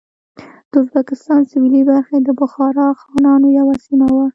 د ازبکستان سوېلې برخې د بخارا خانانو یوه سیمه وه.